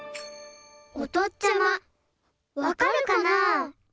おとっちゃまわかるかな？